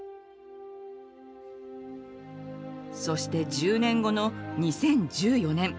そして１０年後の２０１４年。